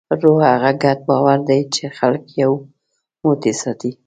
روح هغه ګډ باور دی، چې خلک یو موټی ساتي.